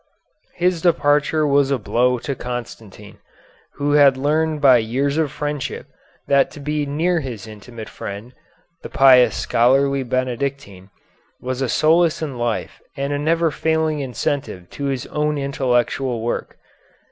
His departure was a blow to Constantine, who had learned by years of friendship that to be near his intimate friend, the pious scholarly Benedictine, was a solace in life and a never failing incentive to his own intellectual work.